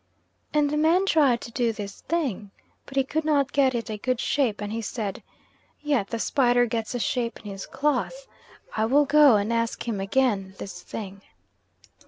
And the man tried to do this thing, but he could not get it a good shape and he said, "Yet the spider gets a shape in his cloth. I will go and ask him again this thing."